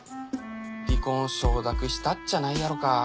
離婚を承諾したっちゃないやろか。